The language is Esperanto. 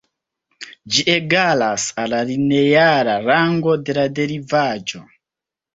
Ĝi egalas al la lineara rango de la derivaĵo.